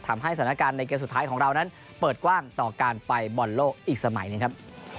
ทำให้สถานการณ์ในเกมสุดท้ายของเรานั้นเปิดกว้างต่อการไปบอลโลกอีกสมัยหนึ่งครับ